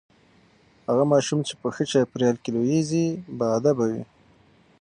هغه ماشوم چې په ښه چاپیریال کې لوییږي باادبه وي.